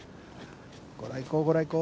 ご来光ご来光。